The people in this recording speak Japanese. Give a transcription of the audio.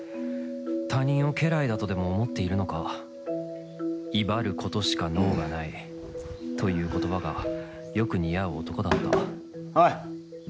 他人を家来だとでも思っているのか「威張ることしか能がない」という言葉がよく似合う男だったおい！